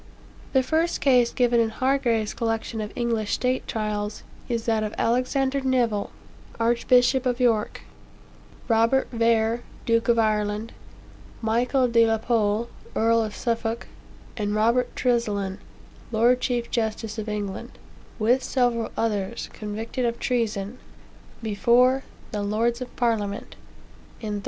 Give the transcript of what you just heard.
The first case given in Hargrave's collection of English State Trials, is that of Alexander Nevil, Archbishop of York, Robert Vere Duke of Ireland; Michael de la Pole, Earl of Suffolk, and Robert Tresilian, Lord Chief Justice of England, with several others, convicted of treason, before "the Lords of Parliament," in 1388.